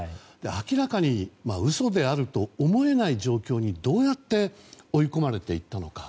明らかに嘘であると思えない状況にどうやって追い込まれていったのか。